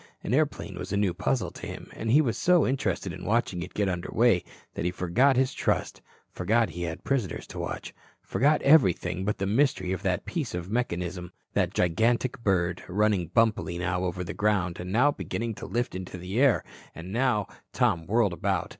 An airplane was a new puzzle to him, and he was so interested in watching it get under way that he forgot his trust, forgot he had prisoners to watch, forgot everything but the mystery of that piece of mechanism, that gigantic bird, running bumpily now over the ground and now beginning to lift into the air, and now Tom whirled about.